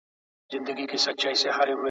میندې باید خپل ماشومان په خپل وخت واکسین کړي.